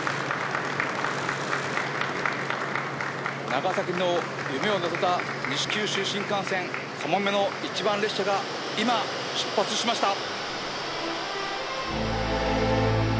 長崎の夢を乗せた西九州新幹線「かもめ」の一番列車が今出発しました。